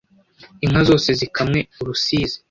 Inka zose zikamwe urusizi